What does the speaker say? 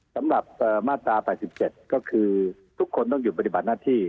สำหรับมาตรา๘๗ก็คือทุกคนต้องหยุดปฏิบัติหน้าที่